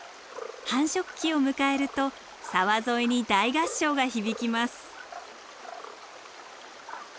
繁殖期を迎えると沢沿いに大合唱が響きます。